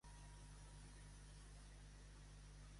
En les fortunes apar qui és bon mariner.